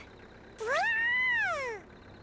わあ！